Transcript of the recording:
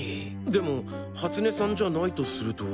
でも初根さんじゃないとすると。